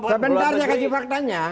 sebentar saya kasih faktanya